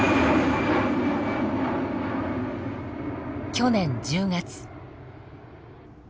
去年１０月。